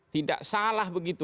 tidak salah begitu